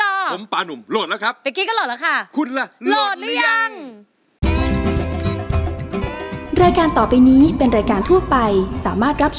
ผมปานุ่มโหลดแล้วครับ